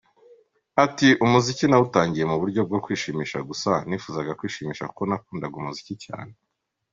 Ati “Umuziki nawutangiye mu buryo bwo kwishimisha gusa, nifuzaga kwishimisha kuko nakundaga umuziki cyane.